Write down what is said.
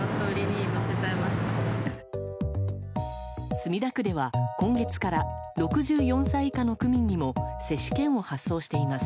墨田区では、今月から６４歳以下の区民にも接種券を発送しています。